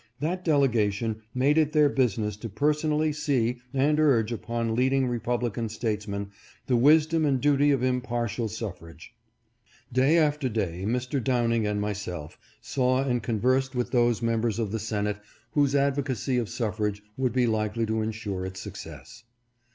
That delegation made it their business to personally see and urge upon leading re publican statesmen the wisdom and duty of impartial suffrage. Day after day Mr. Downing and myself saw and conversed with those members of the Senate whose advocacy of suffrage would be likely to insure its success.